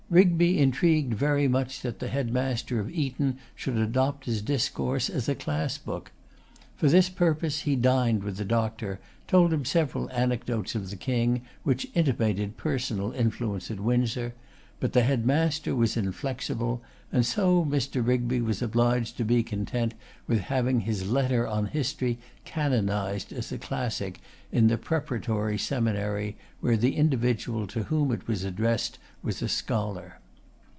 Rigby intrigued very much that the headmaster of Eton should adopt his discourse as a class book. For this purpose he dined with the Doctor, told him several anecdotes of the King, which intimated personal influence at Windsor; but the headmaster was inflexible, and so Mr. Rigby was obliged to be content with having his Letter on History canonized as a classic in the Preparatory Seminary, where the individual to whom it was addressed was a scholar.